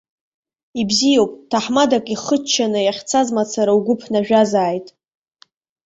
Ибзиоуп, ҭаҳмадак ихыччаны иахьцаз мацара угәы ԥнажәазааит.